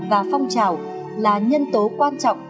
và phong trào là nhân tố quan trọng